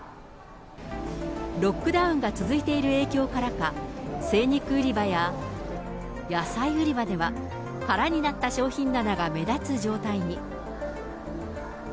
ロックダウンが続いている影響からか、精肉売り場や野菜売り場では、空になった商品棚が目立つ状態に。